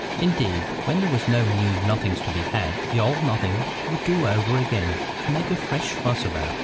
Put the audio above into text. Indeed, when there was no new nothing to be had, the old nothing would do over again to make a fresh fuss about.